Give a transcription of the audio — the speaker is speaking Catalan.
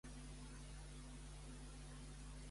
Elimina'm "Ramona adéu" de la llista de llibres pendents.